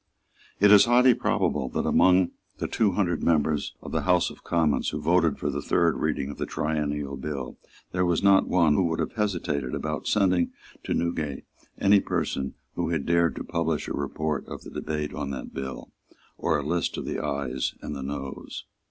It is highly probable that among the two hundred members of the House of Commons who voted for the third reading of the Triennial Bill there was not one who would have hesitated about sending to Newgate any person who had dared to publish a report of the debate on that bill, or a list of the Ayes and the Noes.